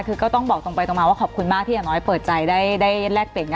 คือก็ต้องบอกตรงไปตรงมาว่าขอบคุณมากที่อย่างน้อยเปิดใจได้แลกเปลี่ยนนะ